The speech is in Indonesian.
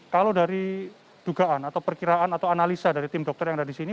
kalau dari dugaan atau perkiraan atau analisa dari tim dokter yang ada di sini